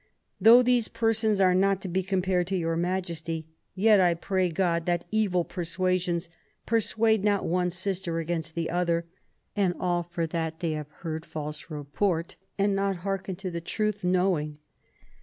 Though these persons are not to be compared to your Majesty, yet I pray God that evil persuasions persuade not one sister against the other; and all for that they have heard false report and not hearken to the truth knowing.